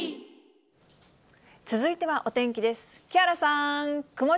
続いてはお天気です。